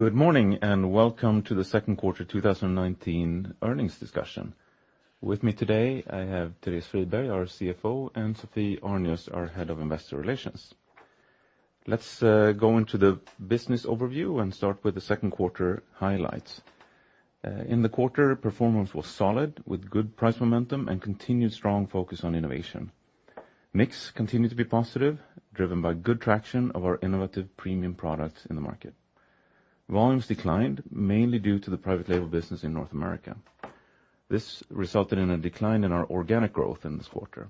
Good morning. Welcome to the second quarter 2019 earnings discussion. With me today, I have Therese Friberg, our CFO, and Sophie Arnius, our Head of Investor Relations. Let's go into the business overview and start with the second quarter highlights. In the quarter, performance was solid with good price momentum and continued strong focus on innovation. Mix continued to be positive, driven by good traction of our innovative premium products in the market. Volumes declined mainly due to the private label business in North America. This resulted in a decline in our organic growth in this quarter.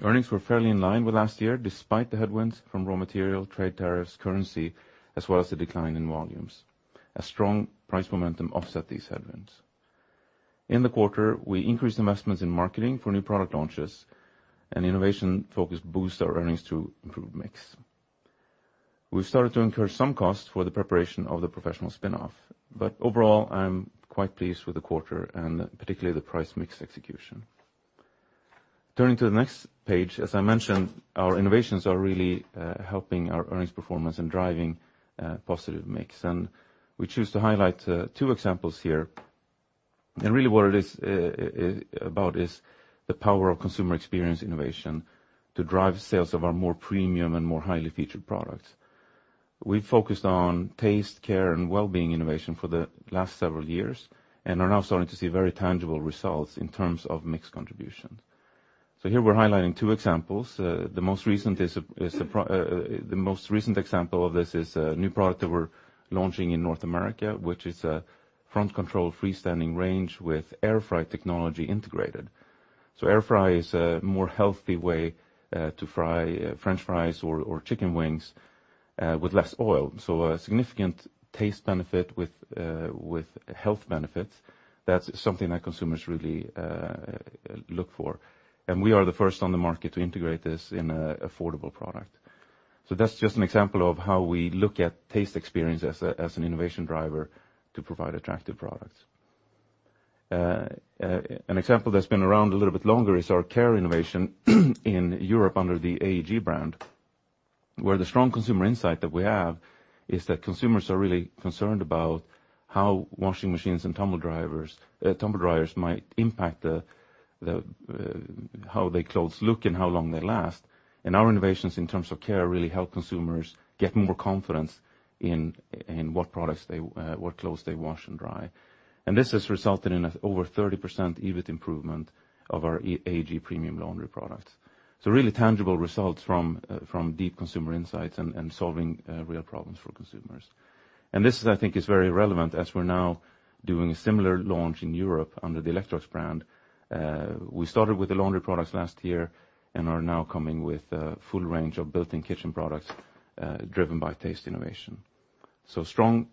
Earnings were fairly in line with last year, despite the headwinds from raw material, trade tariffs, currency, as well as the decline in volumes. A strong price momentum offset these headwinds. In the quarter, we increased investments in marketing for new product launches and innovation focus boost our earnings to improve mix. We've started to incur some costs for the preparation of the Professional spin-off. Overall, I'm quite pleased with the quarter and particularly the price mix execution. Turning to the next page, as I mentioned, our innovations are really helping our earnings performance and driving positive mix. We choose to highlight two examples here. Really what it is about is the power of consumer experience innovation to drive sales of our more premium and more highly featured products. We focused on taste, care, and well-being innovation for the last several years and are now starting to see very tangible results in terms of mix contribution. Here we're highlighting two examples. The most recent example of this is a new product that we're launching in North America, which is a front-control freestanding range with air fry technology integrated. Air fry is a more healthy way to fry French fries or chicken wings with less oil. A significant taste benefit with health benefits. That's something that consumers really look for. We are the first on the market to integrate this in an affordable product. That's just an example of how we look at taste experience as an innovation driver to provide attractive products. An example that's been around a little bit longer is our care innovation in Europe under the AEG brand, where the strong consumer insight that we have is that consumers are really concerned about how washing machines and tumble dryers might impact how their clothes look and how long they last. Our innovations in terms of care really help consumers get more confidence in what clothes they wash and dry. This has resulted in over 30% EBIT improvement of our AEG premium laundry products. Really tangible results from deep consumer insights and solving real problems for consumers. This, I think, is very relevant as we're now doing a similar launch in Europe under the Electrolux brand. We started with the laundry products last year and are now coming with a full range of built-in kitchen products driven by taste innovation. Strong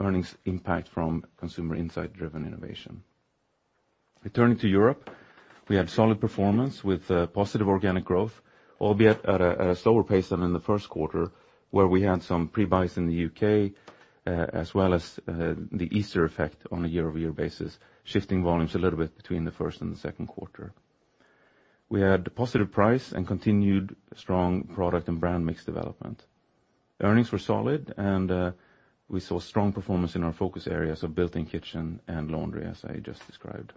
earnings impact from consumer insight-driven innovation. Returning to Europe, we had solid performance with positive organic growth, albeit at a slower pace than in the first quarter, where we had some pre-buys in the U.K., as well as the Easter effect on a year-over-year basis, shifting volumes a little bit between the first and the second quarter. We had positive price and continued strong product and brand mix development. Earnings were solid. We saw strong performance in our focus areas of built-in kitchen and laundry, as I just described.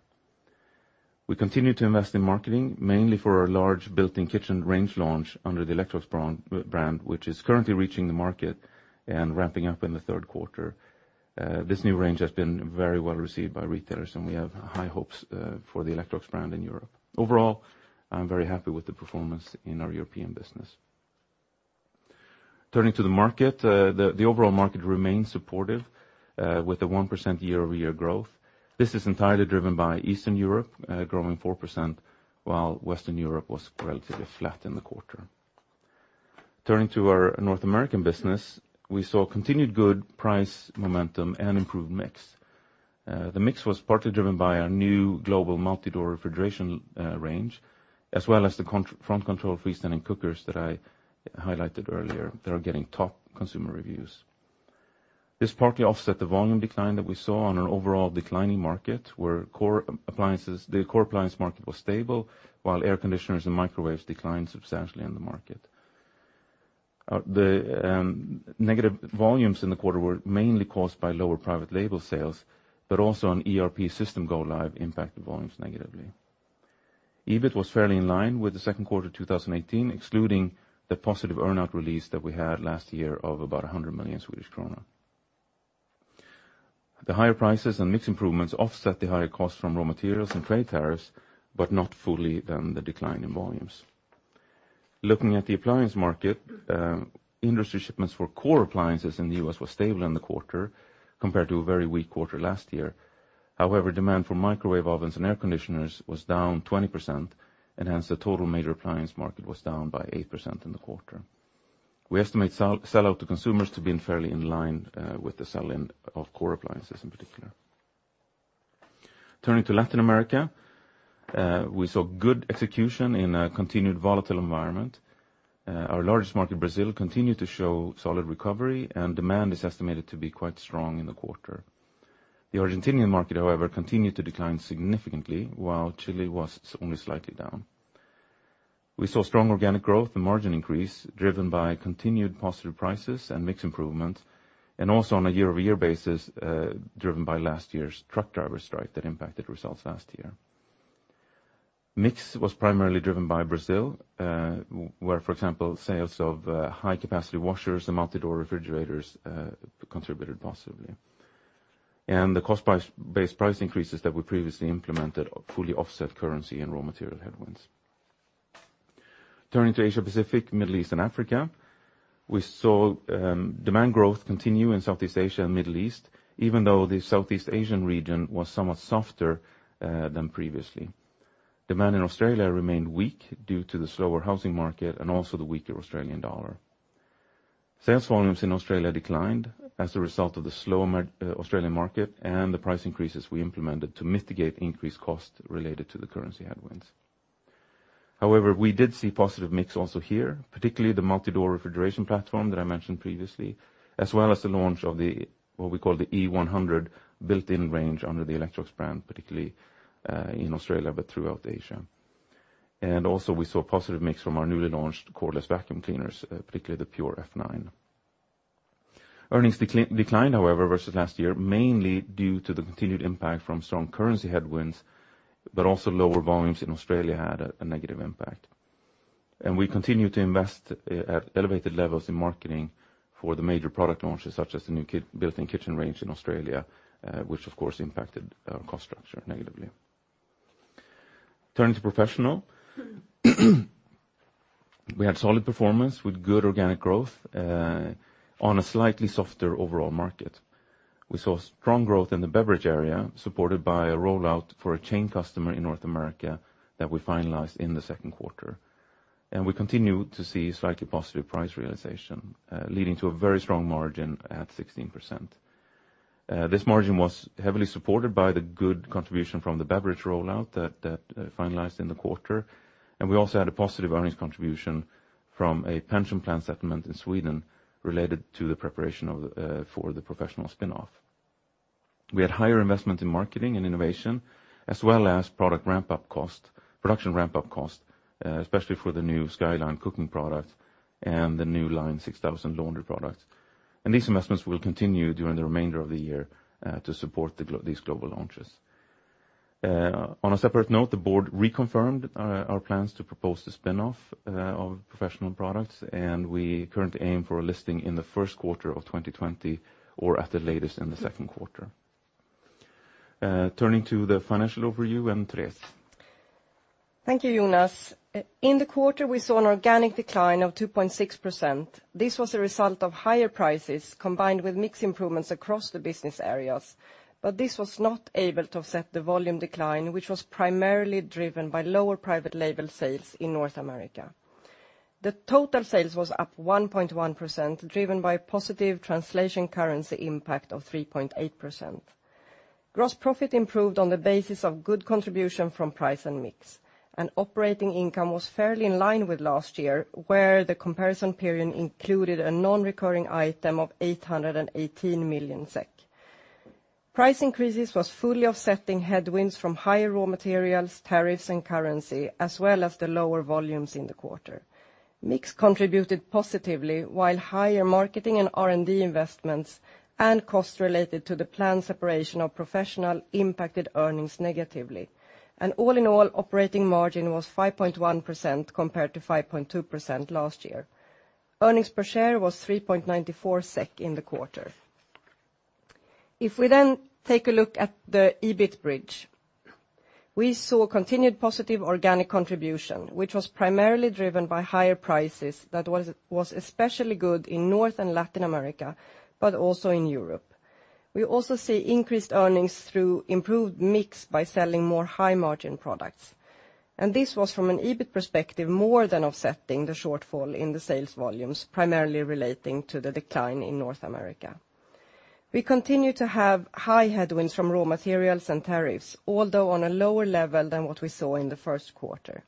We continue to invest in marketing, mainly for our large built-in kitchen range launch under the Electrolux brand, which is currently reaching the market and ramping up in the third quarter. This new range has been very well-received by retailers, and we have high hopes for the Electrolux brand in Europe. Overall, I am very happy with the performance in our European business. Turning to the market, the overall market remains supportive with a 1% year-over-year growth. This is entirely driven by Eastern Europe growing 4%, while Western Europe was relatively flat in the quarter. Turning to our North American business, we saw continued good price momentum and improved mix. The mix was partly driven by our new global multi-door refrigeration range, as well as the front control freestanding cookers that I highlighted earlier. They are getting top consumer reviews. This partly offset the volume decline that we saw on an overall declining market where the core appliance market was stable, while air conditioners and microwaves declined substantially in the market. The negative volumes in the quarter were mainly caused by lower private label sales. Also an ERP system go live impacted volumes negatively. EBIT was fairly in line with the second quarter 2018, excluding the positive earn out release that we had last year of about 100 million Swedish kronor. The higher prices and mix improvements offset the higher cost from raw materials and trade tariffs, not fully than the decline in volumes. Looking at the appliance market, industry shipments for core appliances in the U.S. was stable in the quarter compared to a very weak quarter last year. However, demand for microwave ovens and air conditioners was down 20%, and hence the total major appliance market was down by 8% in the quarter. We estimate sell-out to consumers to have been fairly in line with the sell-in of core appliances in particular. Turning to Latin America, we saw good execution in a continued volatile environment. Our largest market, Brazil, continued to show solid recovery, and demand is estimated to be quite strong in the quarter. The Argentinian market, however, continued to decline significantly, while Chile was only slightly down. We saw strong organic growth and margin increase driven by continued positive prices and mix improvements. Also on a year-over-year basis, driven by last year's truck driver strike that impacted results last year. Mix was primarily driven by Brazil, where, for example, sales of high-capacity washers and multi-door refrigerators contributed positively. The cost-based price increases that we previously implemented fully offset currency and raw material headwinds. Turning to Asia-Pacific, Middle East, and Africa. We saw demand growth continue in Southeast Asia and Middle East, even though the Southeast Asian region was somewhat softer than previously. Demand in Australia remained weak due to the slower housing market and also the weaker AUD. Sales volumes in Australia declined as a result of the slower Australian market and the price increases we implemented to mitigate increased cost related to the currency headwinds. We did see positive mix also here, particularly the multi-door refrigeration platform that I mentioned previously, as well as the launch of what we call the E100 built-in range under the Electrolux brand, particularly in Australia, but throughout Asia. We saw positive mix from our newly launched cordless vacuum cleaners, particularly the Pure F9. Earnings declined, however, versus last year, mainly due to the continued impact from strong currency headwinds, but also lower volumes in Australia had a negative impact. We continue to invest at elevated levels in marketing for the major product launches, such as the new built-in kitchen range in Australia, which of course impacted our cost structure negatively. Turning to Professional. We had solid performance with good organic growth on a slightly softer overall market. We saw strong growth in the beverage area, supported by a rollout for a chain customer in North America that we finalized in the second quarter. We continue to see slightly positive price realization, leading to a very strong margin at 16%. This margin was heavily supported by the good contribution from the beverage rollout that finalized in the quarter, and we also had a positive earnings contribution from a pension plan settlement in Sweden related to the preparation for the Professional spinoff. We had higher investment in marketing and innovation as well as production ramp-up cost, especially for the new SkyLine cooking product and the new Line 6000 laundry product. These investments will continue during the remainder of the year to support these global launches. On a separate note, the board reconfirmed our plans to propose the spinoff of Professional Products, and we currently aim for a listing in the first quarter of 2020 or at the latest in the second quarter. Turning to the financial overview, Therese. Thank you, Jonas. In the quarter, we saw an organic decline of 2.6%. This was a result of higher prices combined with mix improvements across the business areas, but this was not able to offset the volume decline, which was primarily driven by lower private label sales in North America. The total sales was up 1.1%, driven by positive translation currency impact of 3.8%. Gross profit improved on the basis of good contribution from price and mix. Operating income was fairly in line with last year, where the comparison period included a non-recurring item of 818 million SEK. Price increases was fully offsetting headwinds from higher raw materials, tariffs, and currency, as well as the lower volumes in the quarter. Mix contributed positively, while higher marketing and R&D investments and costs related to the planned separation of Professional impacted earnings negatively. All-in-all, operating margin was 5.1% compared to 5.2% last year. Earnings per share was 3.94 SEK in the quarter. If we then take a look at the EBIT bridge. We saw continued positive organic contribution, which was primarily driven by higher prices that was especially good in North and Latin America, but also in Europe. We also see increased earnings through improved mix by selling more high-margin products. This was, from an EBIT perspective, more than offsetting the shortfall in the sales volumes, primarily relating to the decline in North America. We continue to have high headwinds from raw materials and tariffs, although on a lower level than what we saw in the first quarter.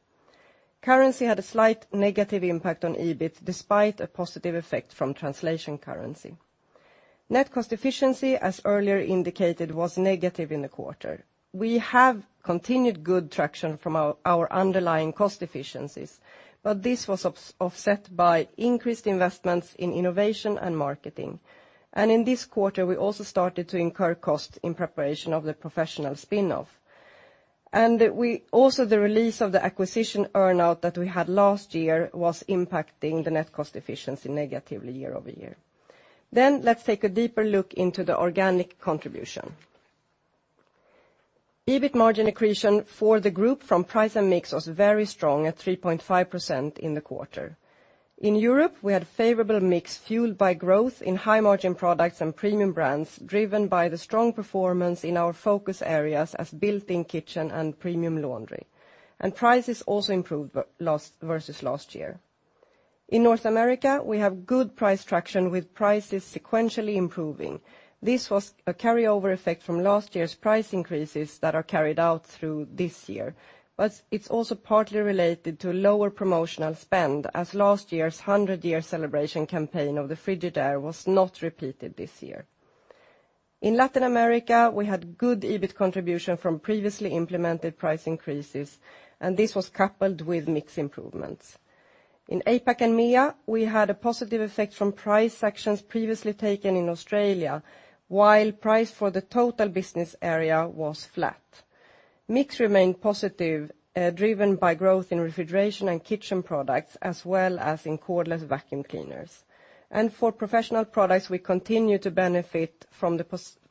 Currency had a slight negative impact on EBIT despite a positive effect from translation currency. Net cost efficiency, as earlier indicated, was negative in the quarter. We have continued good traction from our underlying cost efficiencies, but this was offset by increased investments in innovation and marketing. In this quarter, we also started to incur costs in preparation of the Professional spinoff. The release of the acquisition earn out that we had last year was impacting the net cost efficiency negatively year over year. Let's take a deeper look into the organic contribution. EBIT margin accretion for the group from price and mix was very strong at 3.5% in the quarter. In Europe, we had favorable mix fueled by growth in high-margin products and premium brands, driven by the strong performance in our focus areas as built-in kitchen and premium laundry. Prices also improved versus last year. In North America, we have good price traction with prices sequentially improving. This was a carryover effect from last year's price increases that are carried out through this year. It's also partly related to lower promotional spend, as last year's 100-year celebration campaign of the Frigidaire was not repeated this year. In Latin America, we had good EBIT contribution from previously implemented price increases, and this was coupled with mix improvements. In APAC and MEA, we had a positive effect from price actions previously taken in Australia, while price for the total business area was flat. Mix remained positive, driven by growth in refrigeration and kitchen products, as well as in cordless vacuum cleaners. For Professional Products, we continue to benefit from the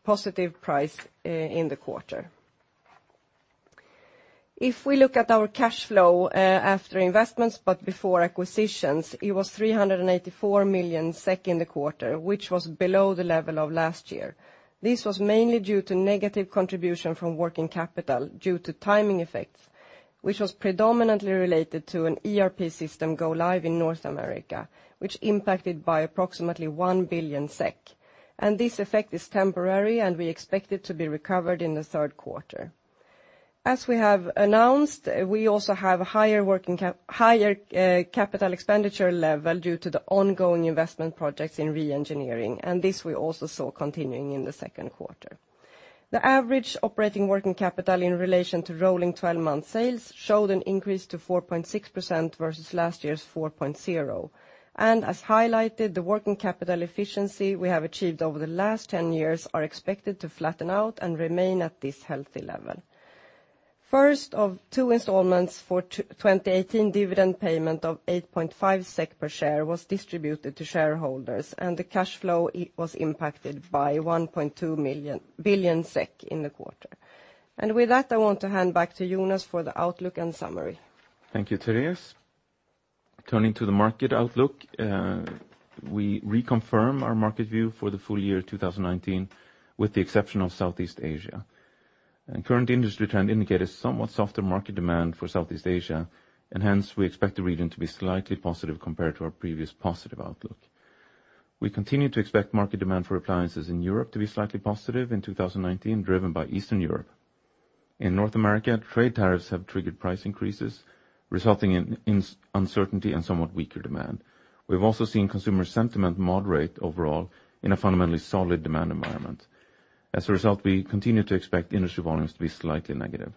positive price in the quarter. If we look at our cash flow, after investments but before acquisitions, it was 384 million SEK in the quarter, which was below the level of last year. This was mainly due to negative contribution from working capital due to timing effects, which was predominantly related to an ERP system go live in North America, which impacted by approximately 1 billion SEK. This effect is temporary, and we expect it to be recovered in the third quarter. As we have announced, we also have a higher capital expenditure level due to the ongoing investment projects in re-engineering. This we also saw continuing in the second quarter. The average operating working capital in relation to rolling 12-month sales showed an increase to 4.6% versus last year's 4.0%. As highlighted, the working capital efficiency we have achieved over the last 10 years are expected to flatten out and remain at this healthy level. First of two installments for 2018 dividend payment of 8.5 SEK per share was distributed to shareholders, and the cash flow was impacted by 1.2 billion SEK in the quarter. With that, I want to hand back to Jonas for the outlook and summary. Thank you, Therese. Turning to the market outlook, we reconfirm our market view for the full year 2019, with the exception of Southeast Asia. Current industry trend indicators somewhat softer market demand for Southeast Asia, and hence we expect the region to be slightly positive compared to our previous positive outlook. We continue to expect market demand for appliances in Europe to be slightly positive in 2019, driven by Eastern Europe. In North America, trade tariffs have triggered price increases, resulting in uncertainty and somewhat weaker demand. We've also seen consumer sentiment moderate overall in a fundamentally solid demand environment. As a result, we continue to expect industry volumes to be slightly negative.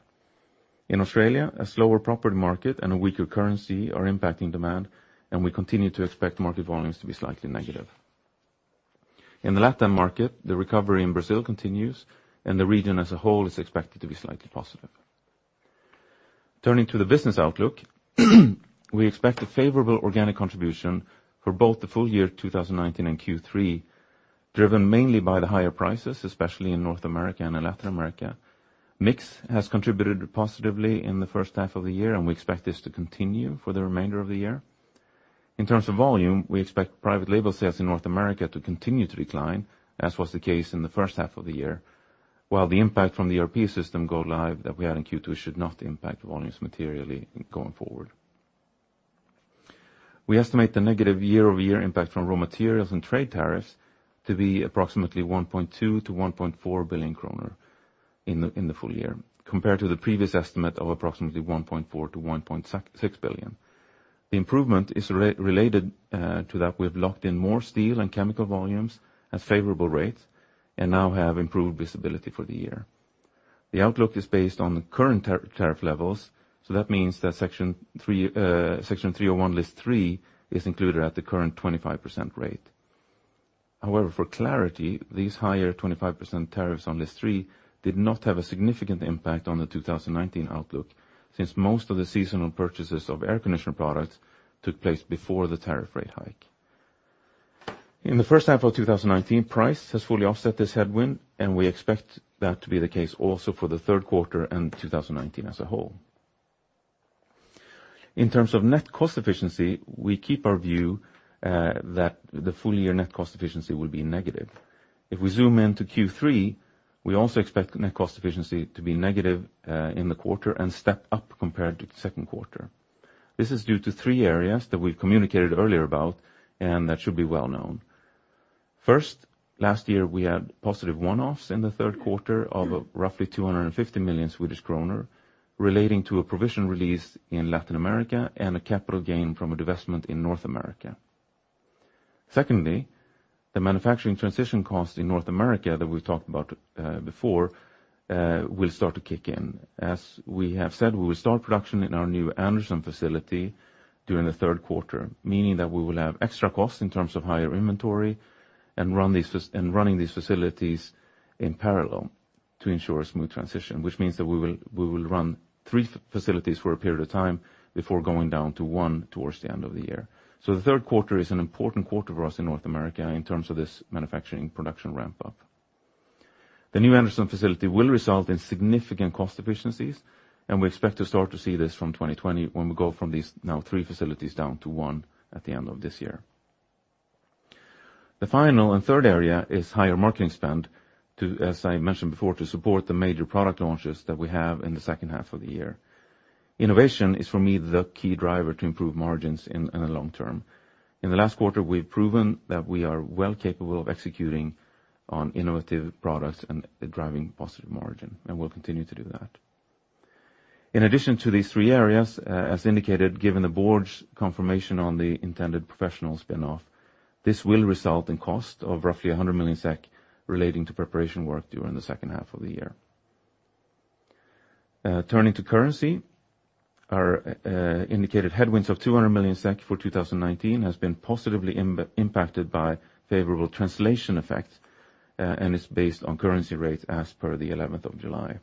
In Australia, a slower property market and a weaker currency are impacting demand, and we continue to expect market volumes to be slightly negative. In the LATAM market, the recovery in Brazil continues, and the region as a whole is expected to be slightly positive. Turning to the business outlook, we expect a favorable organic contribution for both the full year 2019 and Q3, driven mainly by the higher prices, especially in North America and in Latin America. Mix has contributed positively in the first half of the year, and we expect this to continue for the remainder of the year. In terms of volume, we expect private label sales in North America to continue to decline, as was the case in the first half of the year, while the impact from the ERP system go live that we had in Q2 should not impact volumes materially going forward. We estimate the negative year-over-year impact from raw materials and trade tariffs to be approximately 1.2 billion-1.4 billion kronor in the full year, compared to the previous estimate of approximately 1.4 billion-1.6 billion. The improvement is related to that we've locked in more steel and chemical volumes at favorable rates and now have improved visibility for the year. The outlook is based on the current tariff levels, so that means that Section 301 List 3 is included at the current 25% rate. However, for clarity, these higher 25% tariffs on List 3 did not have a significant impact on the 2019 outlook, since most of the seasonal purchases of air conditioner products took place before the tariff rate hike. In the first half of 2019, price has fully offset this headwind, and we expect that to be the case also for the third quarter and 2019 as a whole. In terms of net cost efficiency, we keep our view that the full-year net cost efficiency will be negative. If we zoom in to Q3, we also expect net cost efficiency to be negative in the quarter and step up compared to the second quarter. This is due to three areas that we've communicated earlier about, and that should be well known. First, last year, we had positive one-offs in the third quarter of roughly 250 million Swedish kronor relating to a provision release in Latin America and a capital gain from a divestment in North America. Secondly, the manufacturing transition cost in North America that we've talked about before will start to kick in. As we have said, we will start production in our new Anderson facility during the third quarter, meaning that we will have extra costs in terms of higher inventory and running these facilities in parallel to ensure a smooth transition, which means that we will run three facilities for a period of time before going down to one towards the end of the year. The third quarter is an important quarter for us in North America in terms of this manufacturing production ramp-up. The new Anderson facility will result in significant cost efficiencies, and we expect to start to see this from 2020 when we go from these now three facilities down to one at the end of this year. The final and third area is higher marketing spend, as I mentioned before, to support the major product launches that we have in the second half of the year. Innovation is, for me, the key driver to improve margins in the long term. In the last quarter, we've proven that we are well capable of executing on innovative products and driving positive margin, and we'll continue to do that. In addition to these three areas, as indicated, given the board's confirmation on the intended Professional spin-off, this will result in cost of roughly 100 million SEK relating to preparation work during the second half of the year. Turning to currency, our indicated headwinds of 200 million SEK for 2019 has been positively impacted by favorable translation effects, and is based on currency rates as per the 11th of July.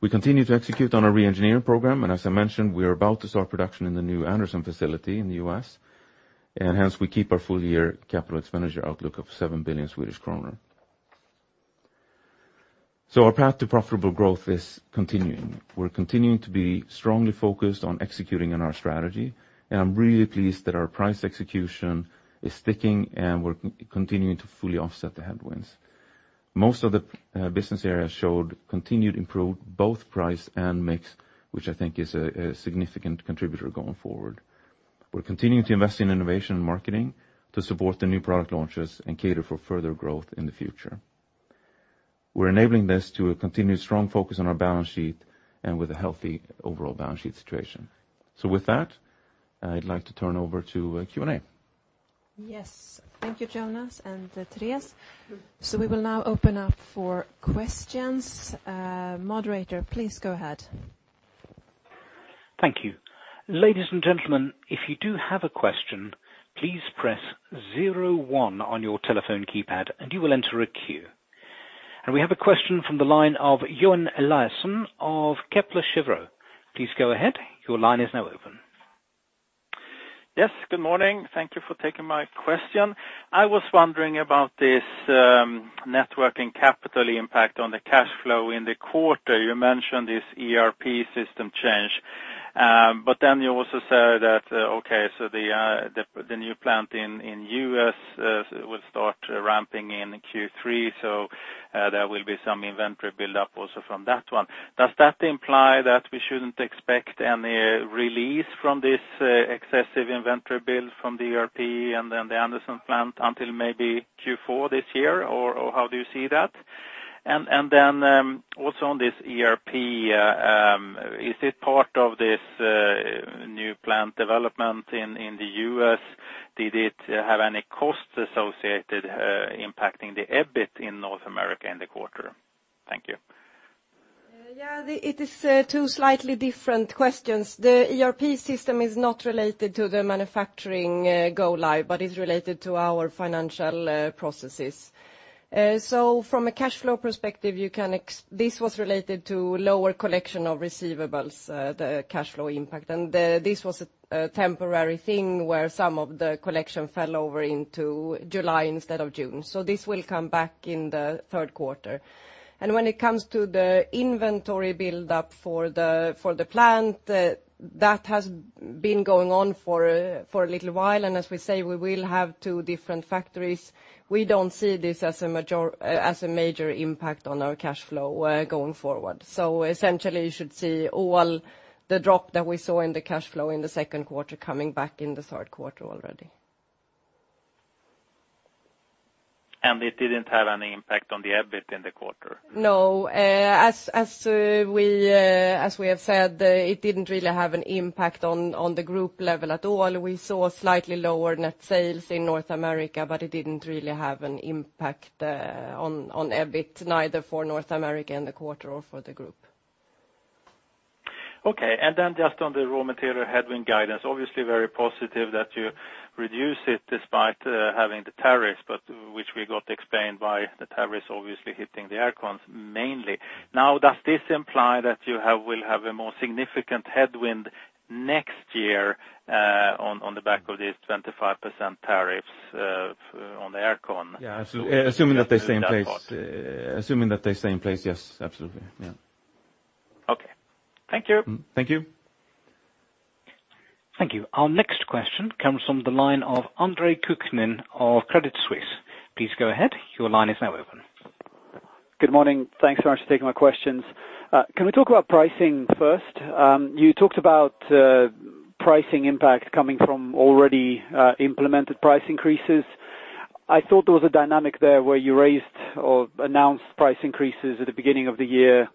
We continue to execute on our re-engineering program, and as I mentioned, we are about to start production in the new Anderson facility in the U.S., and hence we keep our full year capital expenditure outlook of 7 billion Swedish kronor. Our path to profitable growth is continuing. We're continuing to be strongly focused on executing on our strategy, and I'm really pleased that our price execution is sticking, and we're continuing to fully offset the headwinds. Most of the business areas showed continued improvement, both price and mix, which I think is a significant contributor going forward. We're continuing to invest in innovation and marketing to support the new product launches and cater for further growth in the future. We're enabling this through a continued strong focus on our balance sheet and with a healthy overall balance sheet situation. With that, I'd like to turn over to Q&A. Yes. Thank you, Jonas and Therese. We will now open up for questions. Moderator, please go ahead. Thank you. Ladies and gentlemen, if you do have a question, please press zero one on your telephone keypad and you will enter a queue. We have a question from the line of Johan Eliason of Kepler Cheuvreux. Please go ahead. Your line is now open. Yes, good morning. Thank you for taking my question. I was wondering about this net working capital impact on the cash flow in the quarter. You mentioned this ERP system change. You also said that the new plant in U.S. will start ramping in Q3, so there will be some inventory buildup also from that one. Does that imply that we shouldn't expect any release from this excessive inventory build from the ERP and the Anderson plant until maybe Q4 this year? Or how do you see that? Also on this ERP, is it part of this new plant development in the U.S.? Did it have any costs associated impacting the EBIT in North America in the quarter? Thank you. It is two slightly different questions. The ERP system is not related to the manufacturing go-live, but is related to our financial processes. From a cash flow perspective, this was related to lower collection of receivables, the cash flow impact. This was a temporary thing, where some of the collection fell over into July instead of June. This will come back in the third quarter. When it comes to the inventory buildup for the plant, that has been going on for a little while. As we say, we will have two different factories. We don't see this as a major impact on our cash flow going forward. Essentially, you should see all the drop that we saw in the cash flow in the second quarter coming back in the third quarter already. It didn't have any impact on the EBIT in the quarter? No. As we have said, it didn't really have an impact on the group level at all. We saw slightly lower net sales in North America, but it didn't really have an impact on EBIT, neither for North America and the quarter or for the group. Just on the raw material headwind guidance, obviously very positive that you reduce it despite having the tariffs, but which we got explained why the tariff is obviously hitting the air cons mainly. Does this imply that you will have a more significant headwind next year, on the back of these 25% tariffs on the air con? Yeah. Assuming that they stay in place, yes, absolutely. Yeah. Okay. Thank you. Thank you. Thank you. Our next question comes from the line of Andre Kukhnin of Credit Suisse. Please go ahead. Your line is now open. Good morning. Thanks so much for taking my questions. Can we talk about pricing first? You talked about pricing impact coming from already implemented price increases. I thought there was a dynamic there where you raised or announced price increases at the beginning of the year,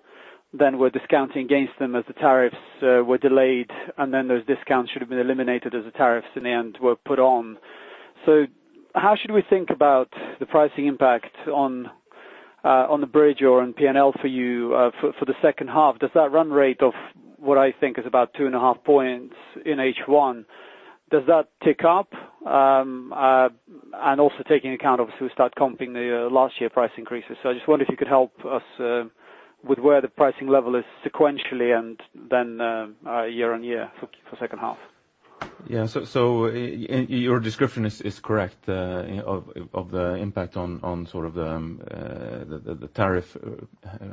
then were discounting against them as the tariffs were delayed, and then those discounts should have been eliminated as the tariffs in the end were put on. How should we think about the pricing impact on the bridge or on P&L for you for the second half? Does that run rate of what I think is about two and a half points in H1, does that tick up? And also taking account, obviously, we start comping the last year price increases. I just wonder if you could help us with where the pricing level is sequentially and then year-on-year for second half. Yeah. Your description is correct, of the impact on the tariff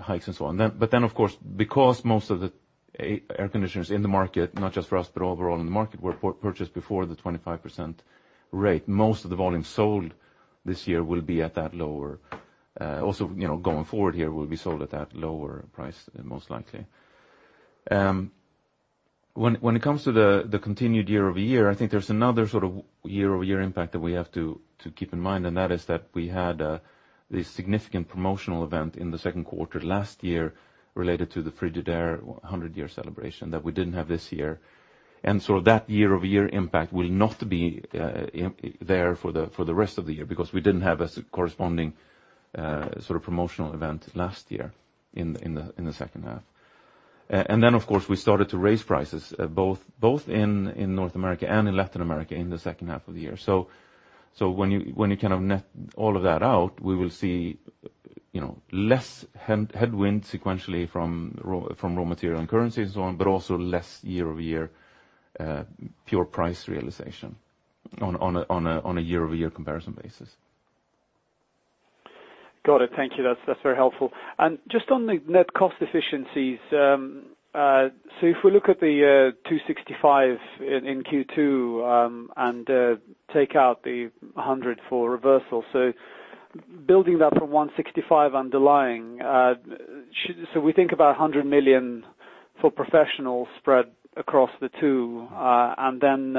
hikes and so on. Of course, because most of the air conditioners in the market, not just for us, but overall in the market, were purchased before the 25% rate, most of the volume sold this year will be at that lower price, most likely. Also going forward here, will be sold at that lower price, most likely. When it comes to the continued year-over-year, I think there's another year-over-year impact that we have to keep in mind, and that is that we had the significant promotional event in the second quarter last year related to the Frigidaire 100-year celebration that we didn't have this year. That year-over-year impact will not be there for the rest of the year because we didn't have a corresponding promotional event last year in the second half. Of course, we started to raise prices both in North America and in Latin America in the second half of the year. When you net all of that out, we will see less headwind sequentially from raw material and currency and so on, but also less year-over-year pure price realization on a year-over-year comparison basis. Got it. Thank you. That's very helpful. Just on the net cost efficiencies, if we look at the 265 in Q2, and take out the 100 for reversal, building that from 165 underlying, we think about 100 million for Professional spread across the two, and then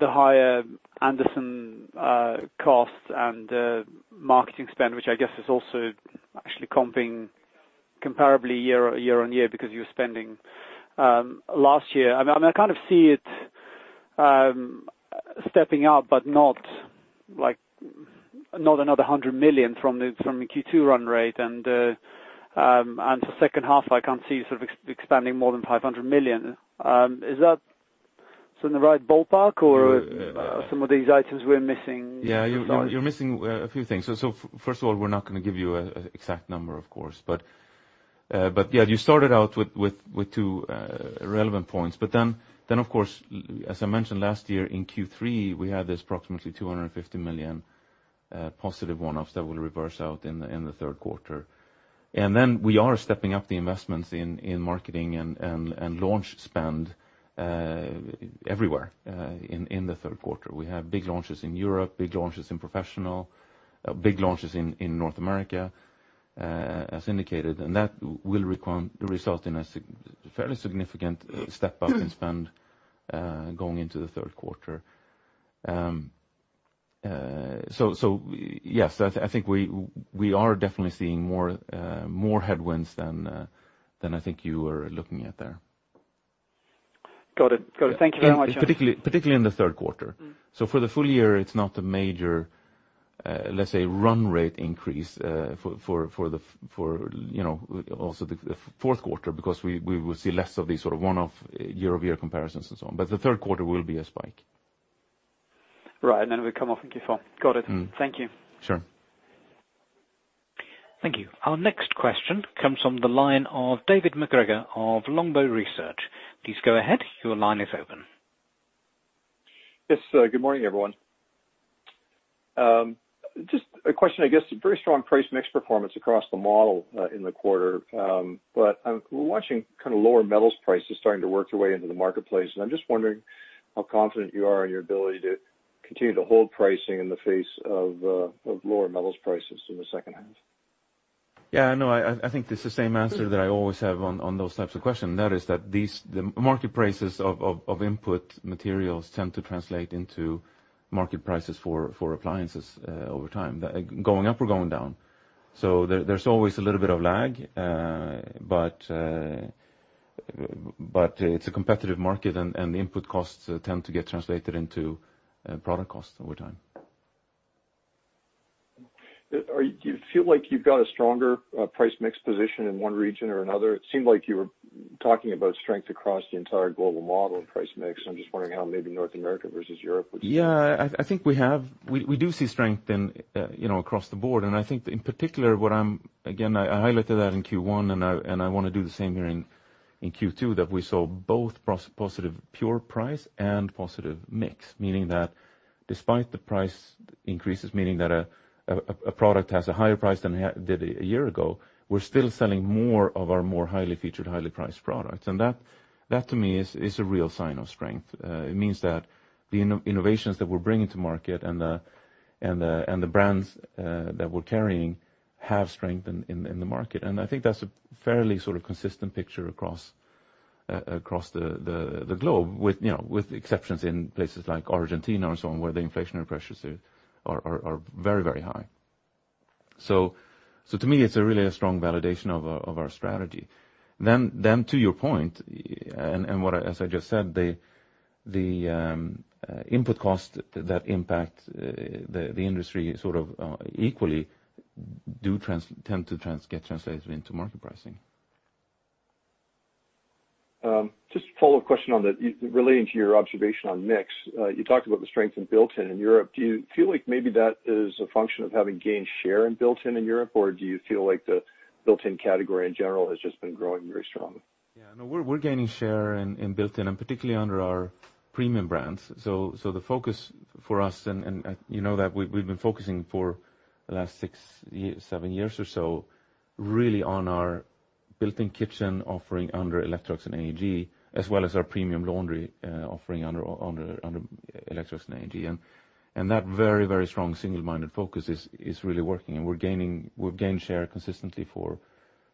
the higher Anderson cost and marketing spend, which I guess is also actually comparably year-on-year because you're spending last year. I kind of see it stepping up but not another 100 million from the Q2 run rate. The second half, I can't see you expanding more than 500 million. Is that in the right ballpark or some of these items we're missing? Yeah, you're missing a few things. First of all, we're not going to give you an exact number, of course. Yeah, you started out with two relevant points. Of course, as I mentioned last year in Q3, we had this approximately 250 million positive one-offs that will reverse out in the third quarter. We are stepping up the investments in marketing and launch spend everywhere in the third quarter. We have big launches in Europe, big launches in Professional, big launches in North America, as indicated, and that will result in a fairly significant step-up in spend going into the third quarter. Yes, I think we are definitely seeing more headwinds than I think you are looking at there. Got it. Thank you very much. Particularly in the third quarter. For the full year, it's not a major let's say run rate increase for also the fourth quarter because we will see less of these sort of one-off year-over-year comparisons and so on. The third quarter will be a spike. Right. Then it will come off in Q4. Got it. Thank you. Sure. Thank you. Our next question comes from the line of David MacGregor of Longbow Research. Please go ahead. Your line is open. Yes. Good morning, everyone. Just a question, I guess. Very strong price mix performance across the model in the quarter, but we're watching lower metals prices starting to work their way into the marketplace, and I'm just wondering how confident you are in your ability to continue to hold pricing in the face of lower metals prices in the second half. Yeah, I know. I think this is the same answer that I always have on those types of questions, and that is that the market prices of input materials tend to translate into market prices for appliances over time, going up or going down. There's always a little bit of lag, but it's a competitive market, and the input costs tend to get translated into product costs over time. Do you feel like you've got a stronger price mix position in one region or another? It seemed like you were talking about strength across the entire global model in price mix. I'm just wondering how maybe North America versus Europe would- Yeah, I think we do see strength across the board, and I think in particular, again, I highlighted that in Q1, and I want to do the same here in Q2, that we saw both positive pure price and positive mix. Meaning that despite the price increases, meaning that a product has a higher price than it did a year ago, we're still selling more of our more highly featured, highly priced products. That to me is a real sign of strength. It means that the innovations that we're bringing to market and the brands that we're carrying have strength in the market. I think that's a fairly consistent picture across the globe with exceptions in places like Argentina and so on, where the inflationary pressures are very high. To me, it's really a strong validation of our strategy. To your point, and as I just said, the input cost that impact the industry sort of equally do tend to get translated into market pricing. Just a follow-up question on that relating to your observation on mix. You talked about the strength in built-in in Europe. Do you feel like maybe that is a function of having gained share in built-in in Europe, or do you feel like the built-in category in general has just been growing very strongly? Yeah, no, we're gaining share in built-in, and particularly under our premium brands. The focus for us, and you know that we've been focusing for the last six, seven years or so really on our built-in kitchen offering under Electrolux and AEG, as well as our premium laundry offering under Electrolux and AEG. That very strong single-minded focus is really working, and we've gained share consistently for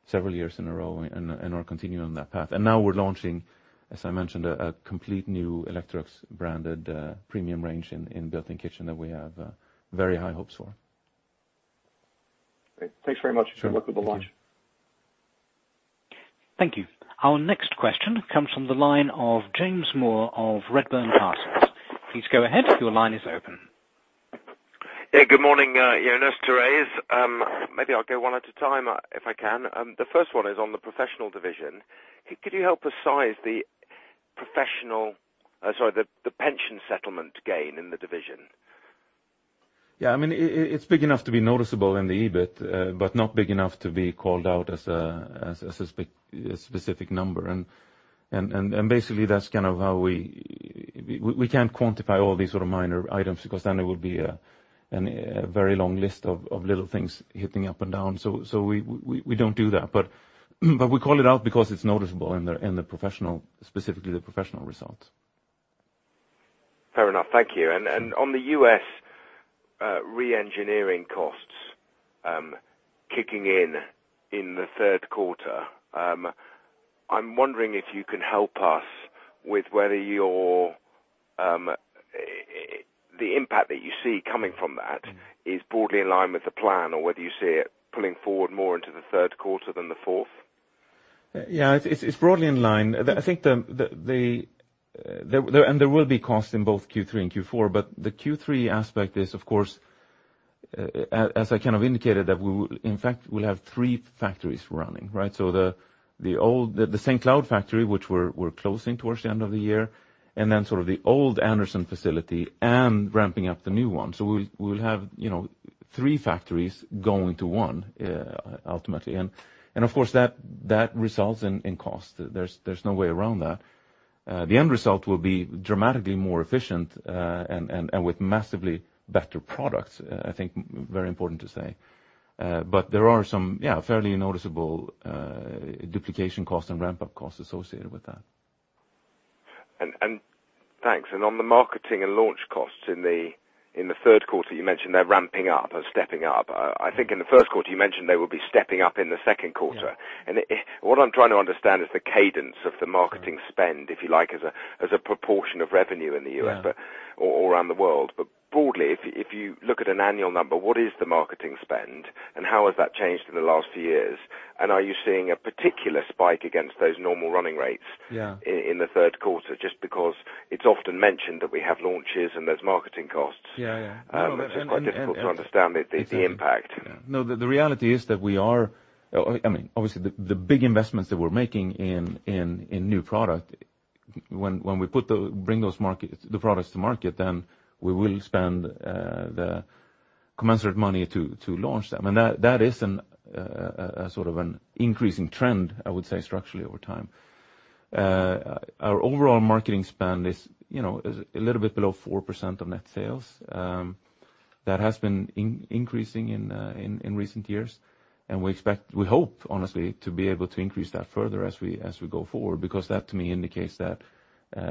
several years in a row, and are continuing on that path. Now we're launching, as I mentioned, a complete new Electrolux-branded premium range in built-in kitchen that we have very high hopes for. Great. Thanks very much. Sure. Good luck with the launch. Thank you. Our next question comes from the line of James Moore of Redburn Partners. Please go ahead. Your line is open. Yeah, good morning, Jonas, Therese. Maybe I'll go one at a time, if I can. The first one is on the professional division. Could you help us size the pension settlement gain in the division? Yeah. It's big enough to be noticeable in the EBIT, but not big enough to be called out as a specific number. Basically, we can't quantify all these sort of minor items, because then it would be a very long list of little things hitting up and down. We don't do that. We call it out because it's noticeable in, specifically, the professional results. Fair enough. Thank you. On the U.S. re-engineering costs kicking in the third quarter, I'm wondering if you can help us with whether the impact that you see coming from that is broadly in line with the plan or whether you see it pulling forward more into the third quarter than the fourth? Yeah. It's broadly in line. There will be costs in both Q3 and Q4, but the Q3 aspect is, of course, as I kind of indicated, that we will, in fact, have three factories running, right? The St. Cloud factory, which we're closing towards the end of the year, and then sort of the old Anderson facility and ramping up the new one. We will have three factories going to one, ultimately. Of course, that results in cost. There's no way around that. The end result will be dramatically more efficient, and with massively better products, I think, very important to say. There are some fairly noticeable duplication costs and ramp-up costs associated with that. Thanks. On the marketing and launch costs in the third quarter, you mentioned they're ramping up or stepping up. I think in the first quarter, you mentioned they will be stepping up in the second quarter. Yeah. What I'm trying to understand is the cadence of the marketing spend, if you like, as a proportion of revenue in the U.S. Yeah. or around the world. Broadly, if you look at an annual number, what is the marketing spend and how has that changed in the last few years? Are you seeing a particular spike against those normal running rates? Yeah. in the third quarter, just because it's often mentioned that we have launches and there's marketing costs. Yeah. No. I just want to understand the impact. No, the reality is that, obviously, the big investments that we're making in new product, when we bring the products to market, then we will spend the commensurate money to launch them. That is a sort of an increasing trend, I would say, structurally over time. Our overall marketing spend is a little bit below 4% of net sales. That has been increasing in recent years, and we hope, honestly, to be able to increase that further as we go forward, because that to me indicates that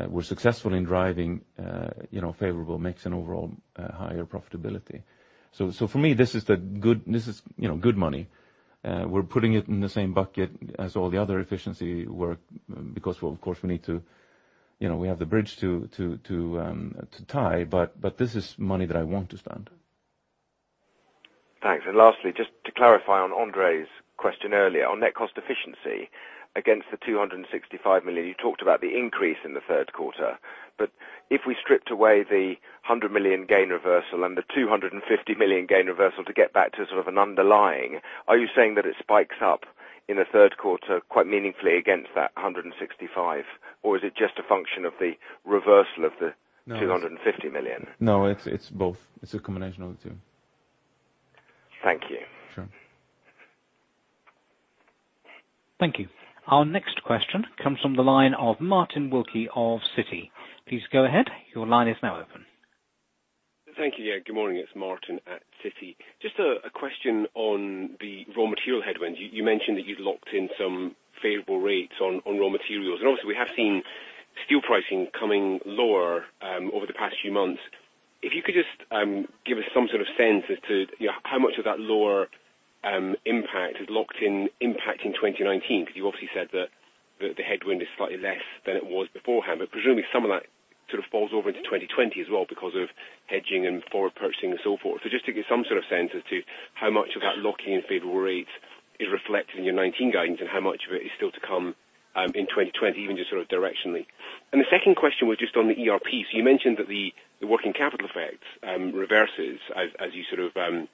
we're successful in driving favorable mix and overall higher profitability. For me, this is good money. We're putting it in the same bucket as all the other efficiency work, because of course, we have the bridge to tie, but this is money that I want to spend. Thanks. Lastly, just to clarify on Andre's question earlier on net cost efficiency against the 265 million. You talked about the increase in the third quarter. If we stripped away the 100 million gain reversal and the 250 million gain reversal to get back to sort of an underlying, are you saying that it spikes up in the third quarter quite meaningfully against that 165 million? Is it just a function of the reversal of the- No. 250 million? No, it's both. It's a combination of the two. Thank you. Sure. Thank you. Our next question comes from the line of Martin Wilkie of Citi. Please go ahead. Your line is now open. Yeah, good morning. It's Martin at Citi. Just a question on the raw material headwinds. You mentioned that you'd locked in some favorable rates on raw materials, and obviously we have seen steel pricing coming lower over the past few months. If you could just give us some sort of sense as to how much of that lower impact is locked in impact in 2019, because you obviously said that the headwind is slightly less than it was beforehand. Presumably some of that sort of falls over into 2020 as well because of hedging and forward purchasing and so forth. Just to get some sort of sense as to how much of that lock-in favorable rate is reflected in your 2019 guidance and how much of it is still to come in 2020, even just sort of directionally. The second question was just on the ERP. You mentioned that the working capital effect reverses as you sort of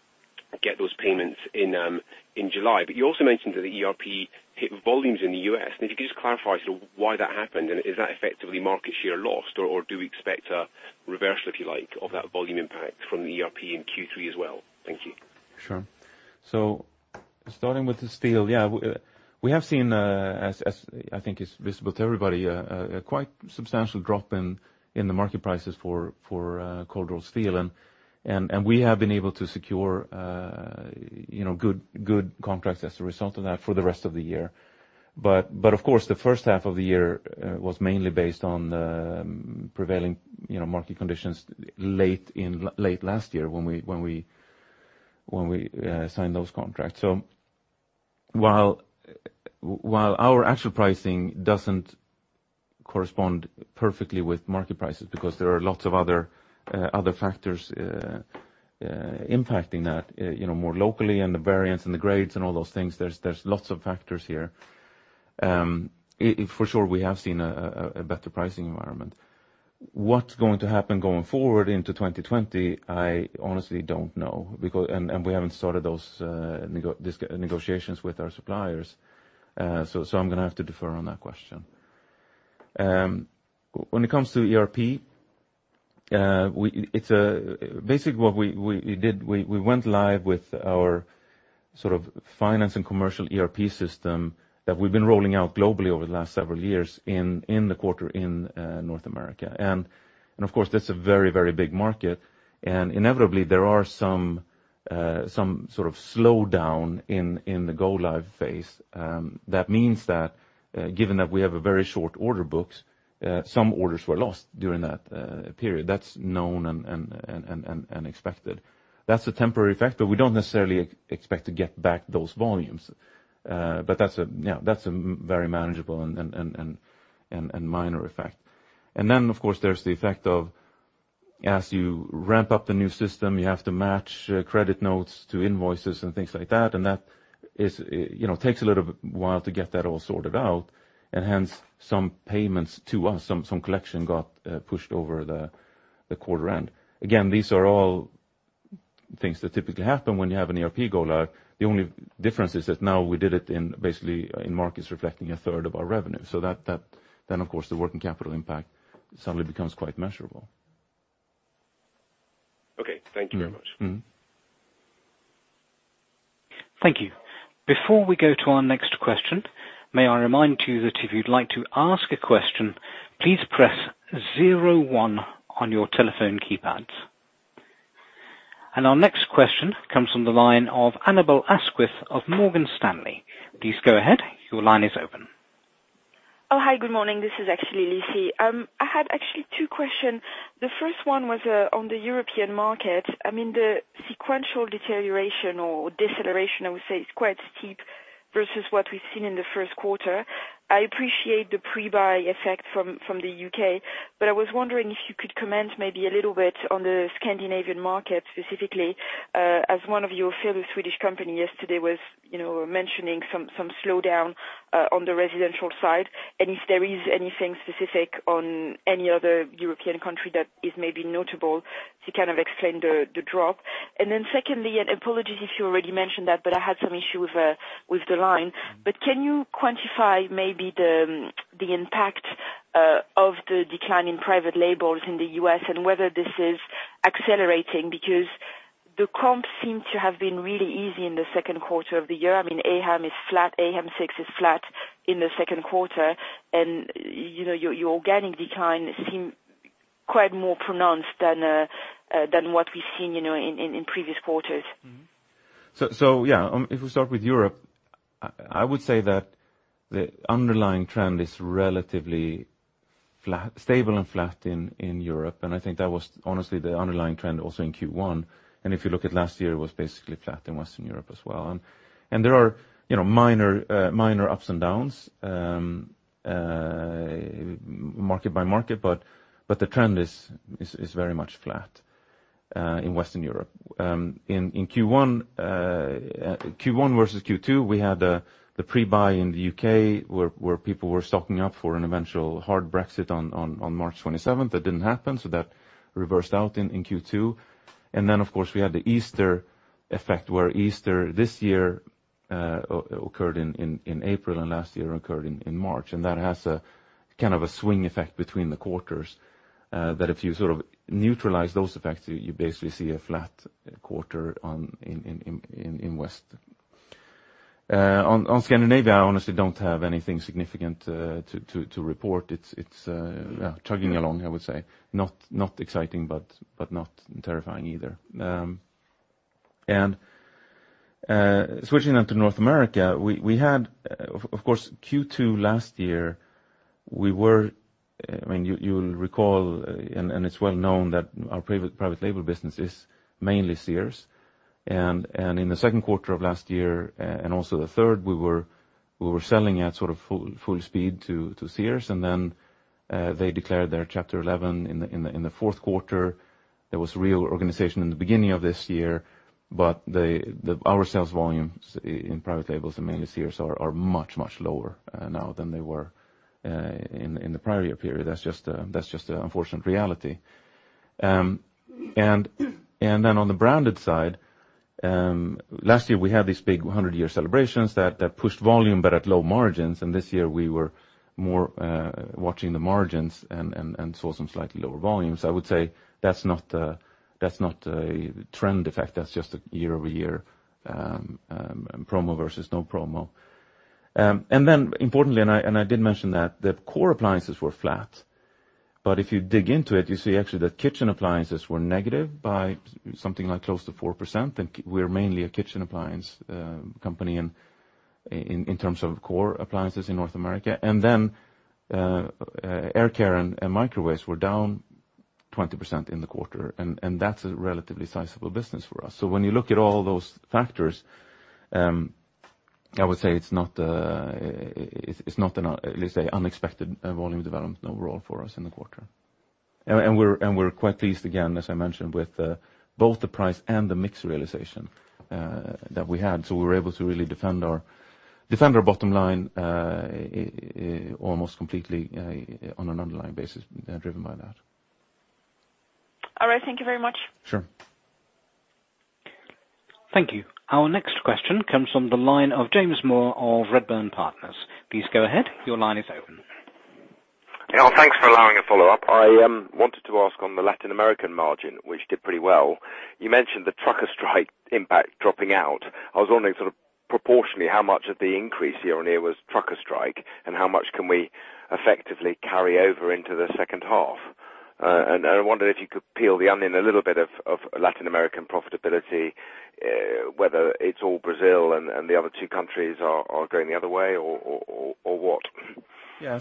get those payments in July. You also mentioned that the ERP hit volumes in the U.S. If you could just clarify why that happened, and is that effectively market share lost, or do we expect a reversal, if you like, of that volume impact from the ERP in Q3 as well? Thank you. Sure. Starting with the steel, we have seen, as I think is visible to everybody, a quite substantial drop in the market prices for cold rolled steel. We have been able to secure good contracts as a result of that for the rest of the year. But of course, the first half of the year was mainly based on the prevailing market conditions late last year when we signed those contracts. While our actual pricing does not correspond perfectly with market prices, because there are lots of other factors impacting that more locally and the variance in the grades and all those things, there is lots of factors here. For sure, we have seen a better pricing environment. What is going to happen going forward into 2020, I honestly do not know, and we have not started those negotiations with our suppliers. I am going to have to defer on that question. When it comes to ERP, basically what we did, we went live with our sort of finance and commercial ERP system that we have been rolling out globally over the last several years in the quarter in North America. Of course, that is a very, very big market. Inevitably, there are some sort of slowdown in the go-live phase. That means that given that we have a very short order books, some orders were lost during that period. That is known and expected. That is a temporary effect, but we do not necessarily expect to get back those volumes. But that is a very manageable and minor effect. Of course, there is the effect of, as you ramp up the new system, you have to match credit notes to invoices and things like that, and that takes a little while to get that all sorted out, and hence some payments to us, some collection got pushed over the quarter end. Again, these are all things that typically happen when you have an ERP go live. The only difference is that now we did it in basically in markets reflecting a third of our revenue. Of course, the working capital impact suddenly becomes quite measurable. Okay. Thank you very much. Thank you. Before we go to our next question, may I remind you that if you'd like to ask a question, please press zero one on your telephone keypads. Our next question comes from the line of Annabel Asquith of Morgan Stanley. Please go ahead. Your line is open. Oh, hi. Good morning. This is actually Lizzie. I had actually two question. The first one was on the European market. I mean, the sequential deterioration or deceleration, I would say, is quite steep versus what we've seen in the first quarter. I appreciate the pre-buy effect from the U.K., I was wondering if you could comment maybe a little bit on the Scandinavian market specifically, as one of your fellow Swedish company yesterday was mentioning some slowdown on the residential side. If there is anything specific on any other European country that is maybe notable to kind of explain the drop. Then secondly, apologies if you already mentioned that, I had some issue with the line. Can you quantify maybe the impact of the decline in private labels in the U.S. and whether this is accelerating, because the comp seemed to have been really easy in the second quarter of the year. I mean, AHAM 6 is flat in the second quarter, your organic decline seem quite more pronounced than what we've seen in previous quarters. Yeah, if we start with Europe, I would say that the underlying trend is relatively stable and flat in Europe, I think that was honestly the underlying trend also in Q1. If you look at last year, it was basically flat in Western Europe as well. There are minor ups and downs market by market, the trend is very much flat in Western Europe. In Q1 versus Q2, we had the pre-buy in the U.K., where people were stocking up for an eventual hard Brexit on March 27th. That didn't happen, so that reversed out in Q2. Of course, we had the Easter effect, where Easter this year occurred in April, and last year occurred in March, and that has a kind of a swing effect between the quarters, that if you sort of neutralize those effects, you basically see a flat quarter in West. Scandinavia, I honestly don't have anything significant to report. It's chugging along, I would say. Not exciting, but not terrifying either. Switching on to North America, we had, of course, Q2 last year. You'll recall, and it's well known that our private label business is mainly Sears. In the second quarter of last year, and also the third, we were selling at sort of full speed to Sears, and then they declared their Chapter 11 in the fourth quarter. There was reorganization in the beginning of this year, but our sales volumes in private labels and mainly Sears are much, much lower now than they were in the prior year period. That's just the unfortunate reality. On the branded side, last year we had this big 100-year celebrations that pushed volume but at low margins, and this year we were more watching the margins and saw some slightly lower volumes. I would say that's not a trend effect. That's just a year-over-year promo versus no promo. Importantly, I did mention that the core appliances were flat. But if you dig into it, you see actually that kitchen appliances were negative by something like close to 4%, and we're mainly a kitchen appliance company in terms of core appliances in North America. Air care and microwaves were down 20% in the quarter, and that's a relatively sizable business for us. When you look at all those factors, I would say it's not an unexpected volume development overall for us in the quarter. We're quite pleased, again, as I mentioned, with both the price and the mix realization that we had. We were able to really defend our bottom line almost completely on an underlying basis driven by that. All right. Thank you very much. Sure. Thank you. Our next question comes from the line of James Moore of Redburn Partners. Please go ahead. Your line is open. Yeah. Thanks for allowing a follow-up. I wanted to ask on the Latin American margin, which did pretty well, you mentioned the trucker strike impact dropping out. I was wondering proportionally how much of the increase year-over-year was trucker strike, and how much can we effectively carry over into the second half? I wonder if you could peel the onion a little bit of Latin American profitability, whether it's all Brazil and the other two countries are going the other way or what? Yeah.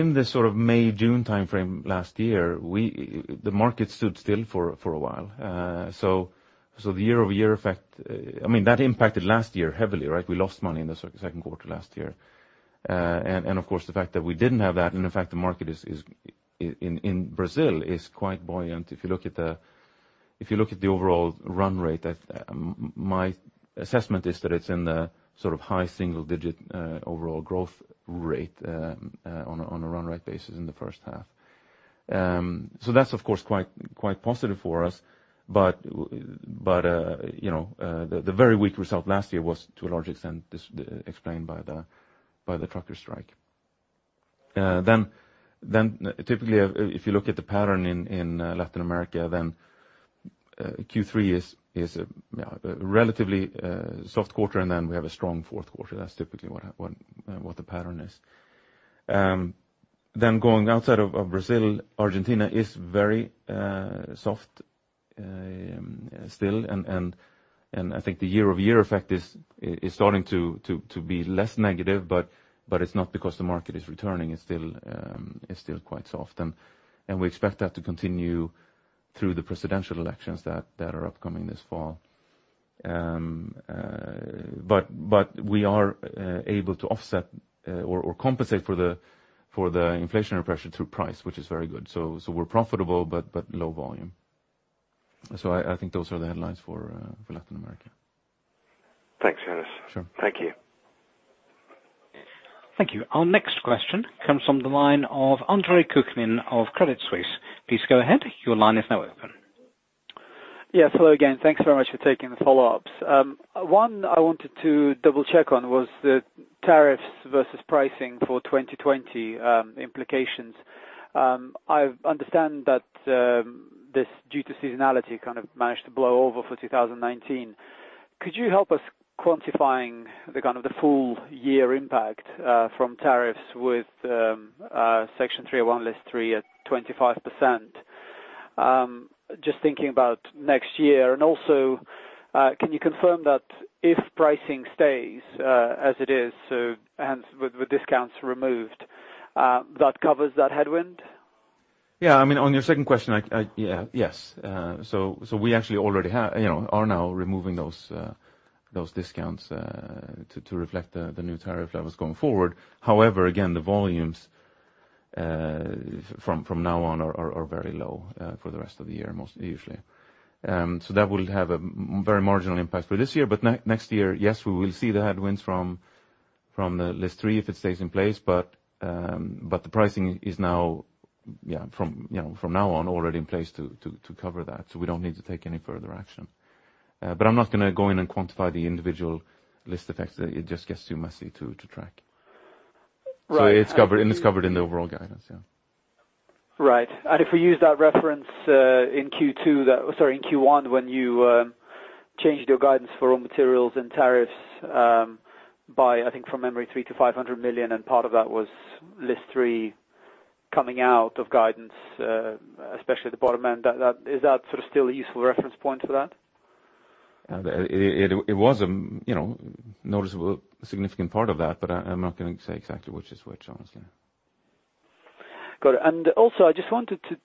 In the sort of May, June timeframe last year, the market stood still for a while. The year-over-year effect, that impacted last year heavily, right? We lost money in the second quarter last year. Of course, the fact that we didn't have that, in fact, the market in Brazil is quite buoyant. If you look at the overall run rate, my assessment is that it's in the high single-digit overall growth rate on a run rate basis in the first half. That's of course quite positive for us. The very weak result last year was to a large extent explained by the trucker strike. Typically, if you look at the pattern in Latin America, Q3 is a relatively soft quarter, we have a strong fourth quarter. That's typically what the pattern is. Going outside of Brazil, Argentina is very soft still, I think the year-over-year effect is starting to be less negative, it's not because the market is returning. It's still quite soft, we expect that to continue through the presidential elections that are upcoming this fall. We are able to offset or compensate for the inflationary pressure through price, which is very good. We're profitable, low volume. I think those are the headlines for Latin America. Thanks, Jonas. Sure. Thank you. Thank you. Our next question comes from the line of Andre Kukhnin of Credit Suisse. Please go ahead. Your line is now open. Yes, hello again. Thanks very much for taking the follow-ups. One I wanted to double-check on was the tariffs versus pricing for 2020 implications. I understand that this, due to seasonality, kind of managed to blow over for 2019. Could you help us quantifying the full-year impact from tariffs with Section 301, List 3 at 25%? Just thinking about next year. Also, can you confirm that if pricing stays as it is, so hence with discounts removed, that covers that headwind? Yeah. On your second question, yes. We actually are now removing those discounts to reflect the new tariff levels going forward. Again, the volumes from now on are very low for the rest of the year, usually. That will have a very marginal impact for this year. Next year, yes, we will see the headwinds from List 3 if it stays in place. The pricing is now from now on, already in place to cover that, we don't need to take any further action. I'm not going to go in and quantify the individual list effects. It just gets too messy to track. Right. It's covered in the overall guidance, yeah. Right. If we use that reference in Q2, sorry, in Q1, when you changed your guidance for raw materials and tariffs by, I think from memory, 3 million to 500 million, and part of that was List 3 coming out of guidance, especially the bottom end. Is that still a useful reference point for that? It was a noticeable, significant part of that, I'm not going to say exactly which is which, honestly. Got it. I just wanted to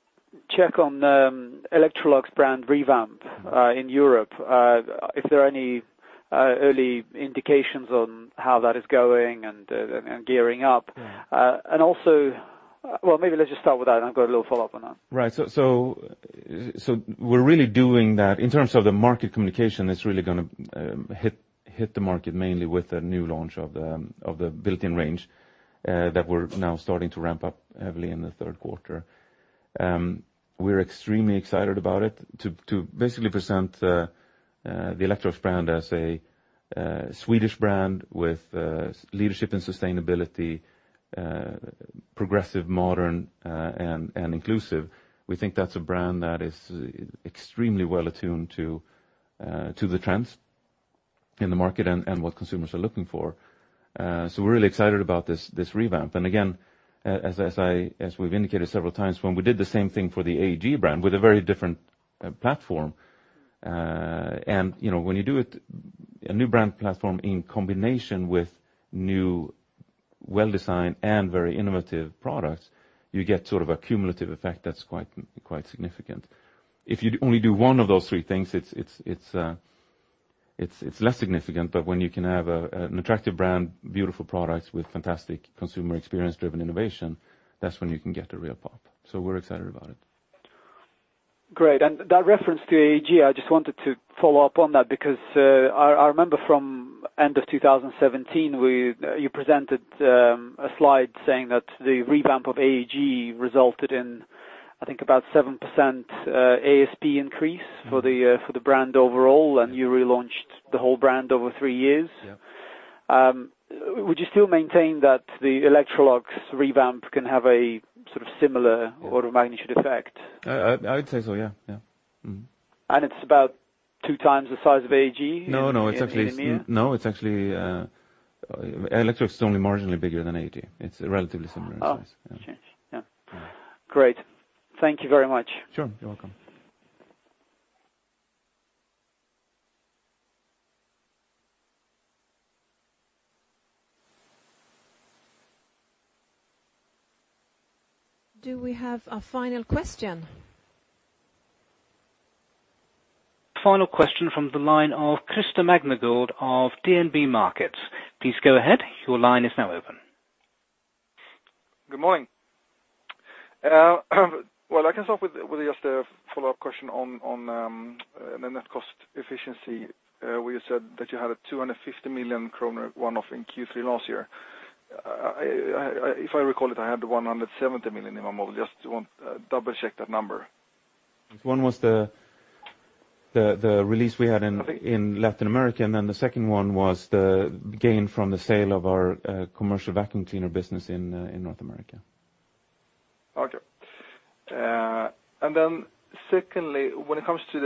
check on the Electrolux brand revamp in Europe. If there are any early indications on how that is going and gearing up? Yeah. Well, maybe let's just start with that, I've got a little follow-up on that. Right. We're really doing that. In terms of the market communication, it's really going to hit the market mainly with the new launch of the built-in range that we're now starting to ramp up heavily in the third quarter. We're extremely excited about it to basically present the Electrolux brand as a Swedish brand with leadership and sustainability, progressive, modern, and inclusive. We think that's a brand that is extremely well attuned to the trends in the market and what consumers are looking for. We're really excited about this revamp. Again, as we've indicated several times, when we did the same thing for the AEG brand with a very different platform. When you do a new brand platform in combination with new, well-designed and very innovative products, you get sort of a cumulative effect that's quite significant. If you only do one of those three things, it's less significant, when you can have an attractive brand, beautiful products with fantastic consumer experience-driven innovation, that's when you can get a real pop. We're excited about it. Great. That reference to AEG, I just wanted to follow up on that because, I remember from end of 2017, you presented a slide saying that the revamp of AEG resulted in, I think about 7% ASP increase for the brand overall. You relaunched the whole brand over three years. Yeah. Would you still maintain that the Electrolux revamp can have a sort of similar order of magnitude effect? I would say so, yeah. It's about two times the size of AEG in EMEA? No, it's actually Electrolux is only marginally bigger than AEG. It's a relatively similar size. Oh, okay. Yeah. Great. Thank you very much. Sure. You're welcome. Do we have a final question? Final question from the line of Christer Magnergård of DNB Markets. Please go ahead. Your line is now open. Well, I can start with just a follow-up question on the net cost efficiency. Where you said that you had a 250 million kronor one-off in Q3 last year. If I recall it, I had the 170 million in my model. Just want to double-check that number. One was the release we had in Latin America, and then the second one was the gain from the sale of our commercial vacuum cleaner business in North America. Okay. Secondly, when it comes to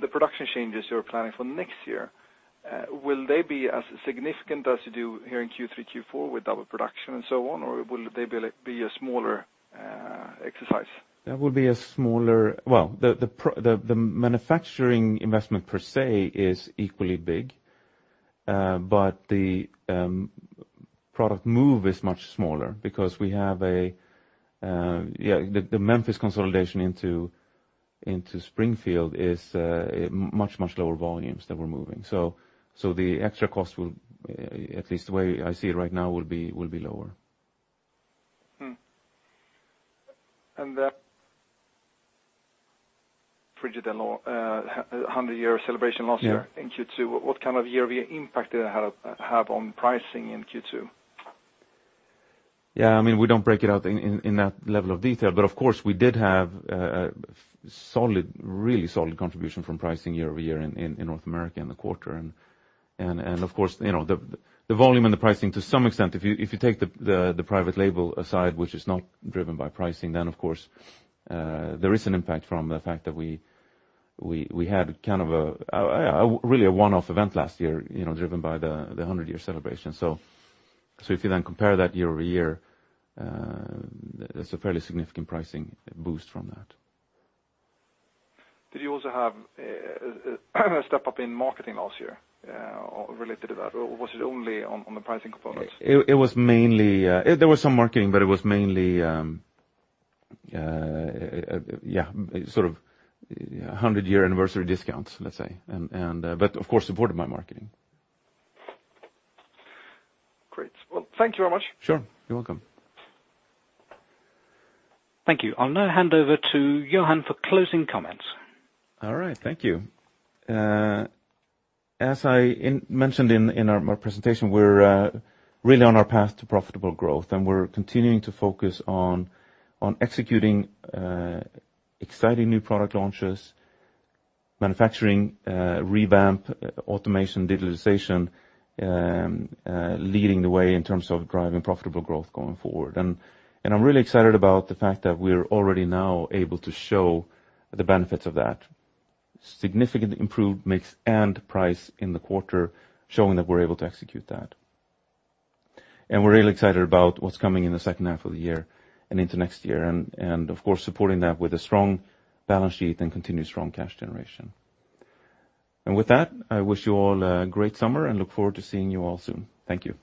the production changes you're planning for next year, will they be as significant as you do here in Q3, Q4 with double production and so on or will they be a smaller exercise? well, the manufacturing investment per se is equally big. The product move is much smaller because we have The Memphis consolidation into Springfield is much lower volumes that we're moving. The extra cost will, at least the way I see it right now, will be lower. the Frigidaire 100-year celebration last year Yeah in Q2, what kind of year-over-year impact did that have on pricing in Q2? Yeah, we don't break it out in that level of detail, of course, we did have a really solid contribution from pricing year-over-year in North America in the quarter. Of course, the volume and the pricing to some extent, if you take the private label aside, which is not driven by pricing, then of course, there is an impact from the fact that we had kind of a, really a one-off event last year, driven by the 100-year celebration. If you then compare that year-over-year, that's a fairly significant pricing boost from that. Did you also have a step-up in marketing last year? Related to that, or was it only on the pricing component? There was some marketing, it was mainly, sort of 100-year anniversary discounts, let's say. Of course, supported by marketing. Great. Well, thank you very much. Sure. You're welcome. Thank you. I'll now hand over to Johan for closing comments. All right. Thank you. As I mentioned in our presentation, we're really on our path to profitable growth. We're continuing to focus on executing exciting new product launches, manufacturing revamp, automation, digitalization, leading the way in terms of driving profitable growth going forward. I'm really excited about the fact that we're already now able to show the benefits of that. Significant improved mix and price in the quarter, showing that we're able to execute that. We're really excited about what's coming in the second half of the year and into next year. Of course, supporting that with a strong balance sheet and continued strong cash generation. With that, I wish you all a great summer and look forward to seeing you all soon. Thank you.